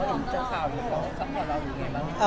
แล้วจากตอนเราอยู่ด้วยบ้าง